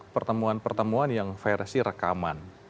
pertemuan pertemuan yang versi rekaman